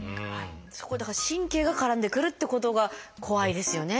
そこにだから神経が絡んでくるっていうことが怖いですよね。